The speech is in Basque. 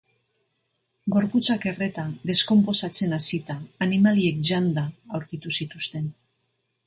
Gorputzak erreta, deskonposatzen hasita, animaliek janda... aurkitu zituzten.